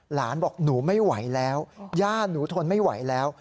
หลานบอกหนูไม่ไหวแล้วย่าหนูทนไม่ไหวแล้ว